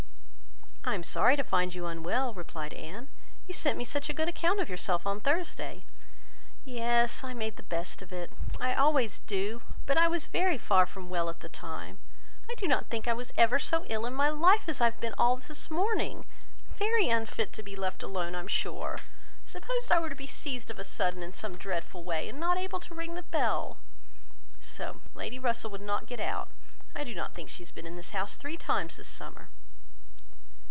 "I am sorry to find you unwell," replied Anne. "You sent me such a good account of yourself on Thursday!" "Yes, I made the best of it; I always do: but I was very far from well at the time; and I do not think I ever was so ill in my life as I have been all this morning: very unfit to be left alone, I am sure. Suppose I were to be seized of a sudden in some dreadful way, and not able to ring the bell! So, Lady Russell would not get out. I do not think she has been in this house three times this summer."